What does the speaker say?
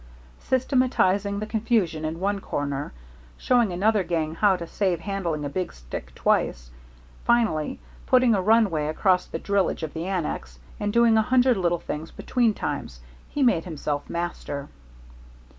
Systematizing the confusion in one corner, showing another gang how to save handling a big stick twice, finally putting a runway across the drillage of the annex, and doing a hundred little things between times, he made himself master.